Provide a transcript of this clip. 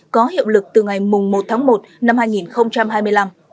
có hiệu lực từ ngày một tháng một năm hai nghìn hai mươi năm